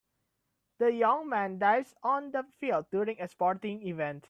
The young man dives on the field during a sporting event.